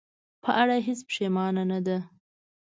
په اړه هېڅ پښېمانه نه ده.